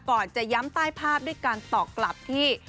ก่อนจะย้ำใต้ภาพด้วยการตอบกลับที่